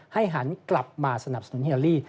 หันกลับมาสนับสนุนฮิลาลี